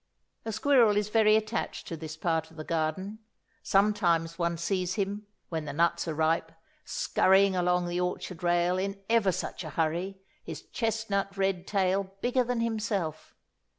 A squirrel is very attached to this part of the garden. Sometimes one sees him, when the nuts are ripe, scurrying along the orchard rail in ever such a hurry, his chestnut red tail bigger than himself.